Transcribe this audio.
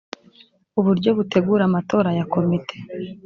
uburyo butegura amatora ya komite